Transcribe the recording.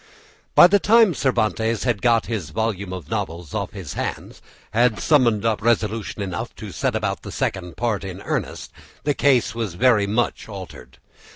By the time Cervantes had got his volume of novels off his hands, and summoned up resolution enough to set about the Second Part in earnest, the case was very much altered.